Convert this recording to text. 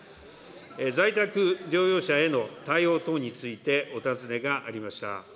在宅療養者への対応等についてお尋ねがありました。